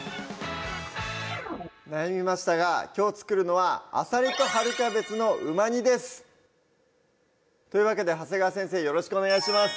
悩みましたがきょう作るのは「あさりと春キャベツのうま煮」ですというわけで長谷川先生よろしくお願いします